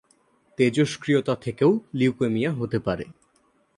তেজস্ক্রিয়তা থেকেও লিউকেমিয়া হতে পারে।